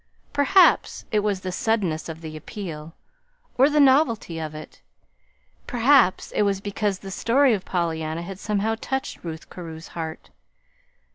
Perhaps it was the suddenness of the appeal, or the novelty of it. Perhaps it was because the story of Pollyanna had somehow touched Ruth Carew's heart.